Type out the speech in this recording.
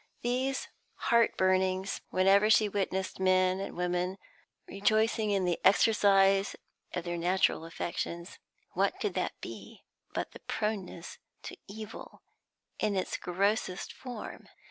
These heart burnings whenever she witnessed men and women rejoicing in the exercise of their natural affections, what could that be but the proneness to evil in its grossest form?